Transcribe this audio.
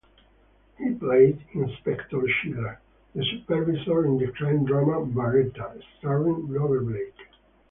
He played Inspector Shiller, the supervisor, in the crime drama, "Baretta", starring Robert Blake.